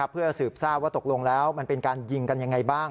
เพื่อสืบทราบว่าตกลงแล้วมันเป็นการยิงกันยังไงบ้าง